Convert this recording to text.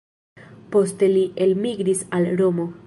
Poste li elmigris al Romo.